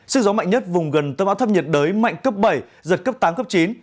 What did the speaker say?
sức gió mạnh nhất vùng gần tâm áp thấp nhiệt đới mạnh cấp bảy giật cấp tám cấp chín